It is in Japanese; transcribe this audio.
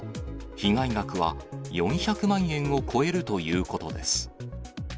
被害額は４００万円を超えるということです。